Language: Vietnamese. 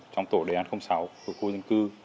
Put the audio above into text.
trong tổ đề án sáu của khu dân cư